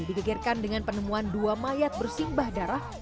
digegerkan dengan penemuan dua mayat bersimbah darah